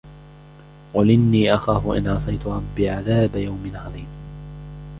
قُلْ إِنِّي أَخَافُ إِنْ عَصَيْتُ رَبِّي عَذَابَ يَوْمٍ عَظِيمٍ